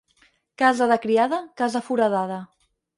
Casa de criada, casa foradada.